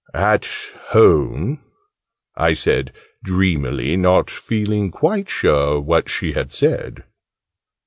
"At home?" I said dreamily, not feeling quite sure what she had said.